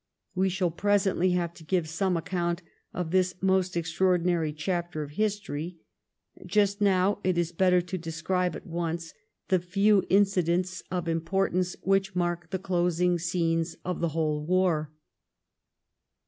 We shall presently have to give some account of this most extraordinary chapter of history. Just now, it is better to describe at once the few incidents of importance which mark the closing scenes of the whole war.